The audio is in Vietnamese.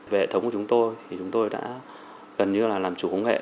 về hệ thống của chúng tôi thì chúng tôi đã gần như là làm chủ công nghệ